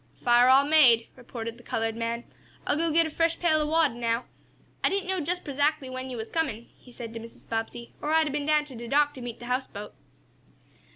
"Fire all made," reported the colored man. "I'll go git a fresh pail ob water now. I didn't know jest prezackly when yo' was comin'," he said to Mrs. Bobbsey, "or I'd a' been down to de dock t' meet de houseboat."